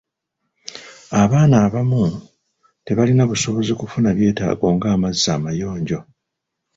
Abaana abamu tebalina busobozi kufuna byetaago ng'amazzi amayonjo.